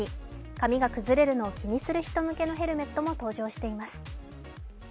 髪が崩れるのを気にする人のヘルメットも登場しています。